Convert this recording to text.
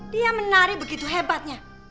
dia menari begitu hebatnya